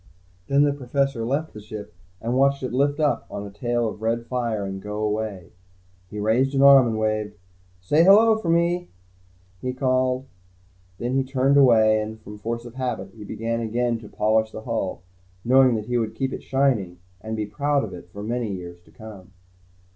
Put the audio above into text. Then the Professor left the ship and watched it lift up on a tail of red fire and go away. He raised an arm and waved. "Say 'hello' for me," he called. Then he turned away and, from force of habit, he began again to polish the hull, knowing that he would keep it shining, and be proud of it, for many years to come.